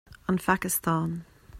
An Phacastáin